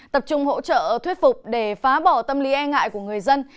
tập trung hỗ trợ thuyết phục để phá bỏ tâm lý e ngại của người dân